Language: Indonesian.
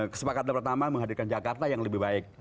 kesepakatan pertama menghadirkan jakarta yang lebih baik